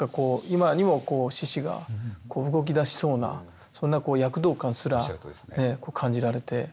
今にも獅子が動きだしそうなそんな躍動感すら感じられて。